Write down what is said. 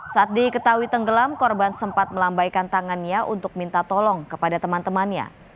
saat diketahui tenggelam korban sempat melambaikan tangannya untuk minta tolong kepada teman temannya